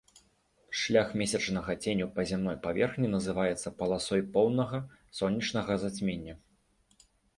Шлях месячнага ценю па зямной паверхні называецца паласой поўнага сонечнага зацьмення.